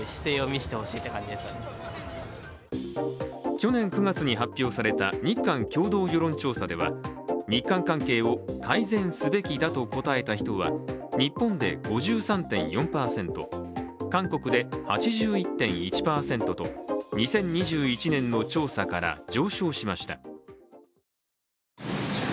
去年９月に発表された日韓共同世論調査では日韓関係を改善すべきだと答えた人は日本で５３．４％、韓国で８１．１％と、２０２１年の調査から上昇しました。